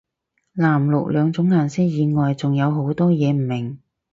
藍綠兩種顏色以外仲有好多嘢唔明